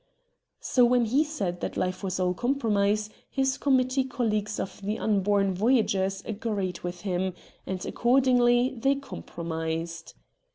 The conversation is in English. So when he said that life was all compromise his committee col leagues of the unborn Voyagers agreed with him, and accordingly they compromised.